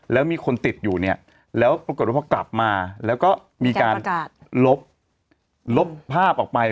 แล้วมีคนติดอยู่เนี่ยแล้วปรากฏว่าพอกลับมาแล้วก็มีการลบลบภาพออกไป